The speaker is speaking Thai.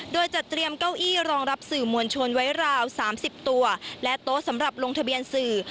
โดยจัดเตรียมเก้าอี้รองรับสื่อมวลชนไว้ราว๓๐ตัวและโต๊ะสำหรับลงทะเบียนสื่อ